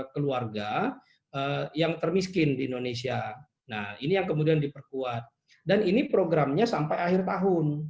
keluarga yang termiskin di indonesia nah ini yang kemudian diperkuat dan ini programnya sampai akhir tahun